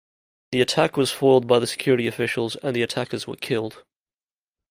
The attack was foiled by security officials and the attackers were killed.